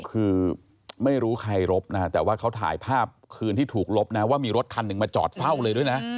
คือไม่รู้ใครรบนะฮะแต่ว่าเขาถ่ายภาพคืนที่ถูกลบนะว่ามีรถคันหนึ่งมาจอดเฝ้าเลยด้วยนะ